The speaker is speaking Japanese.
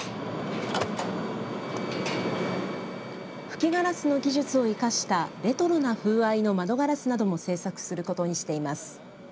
吹きガラスの技術を生かしたレトロの風合いの窓ガラスなども制作することにしています。